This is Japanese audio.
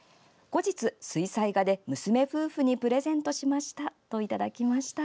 後日、水彩画で娘夫婦にプレゼントしましたといただきました。